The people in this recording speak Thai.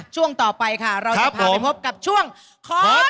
ช่วงต่อไปค่ะเราจะพาไปพบกับช่วงของ